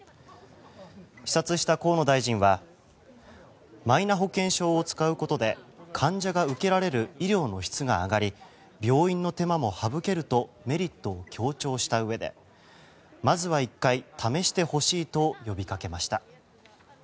視察した河野大臣はマイナ保険証を使うことで患者が受けられる医療の質が上がり病院の手間も省けるとメリットを強調したうえでまずは１回試してほしいと呼びかけました。